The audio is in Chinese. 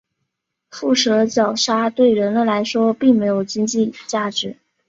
腹蛇角鲨对人类来说并没有经济价值。